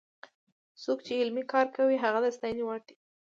څوک چې علمي کار کوي هغه د ستاینې وړ دی.